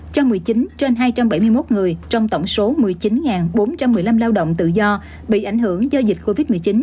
cho một mươi chín trên hai trăm bảy mươi một người trong tổng số một mươi chín bốn trăm một mươi năm lao động tự do bị ảnh hưởng do dịch covid một mươi chín